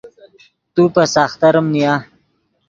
تو پے ساختریم نیا